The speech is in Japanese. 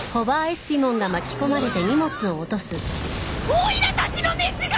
おいらたちの飯が！